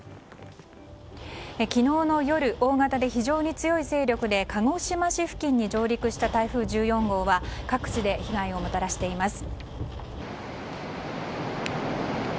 昨日の夜、大型で非常に強い勢力で鹿児島市付近に上陸した台風１４号は各地で被害をもたらしています。